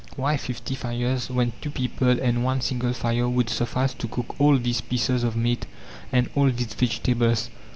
Why fifty fires, when two people and one single fire would suffice to cook all these pieces of meat and all these vegetables?